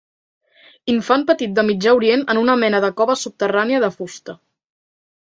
Infant petit de Mitjà Orient en una mena de cova subterrània de fusta.